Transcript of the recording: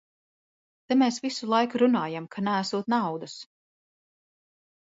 Te mēs visu laiku runājam, ka neesot naudas.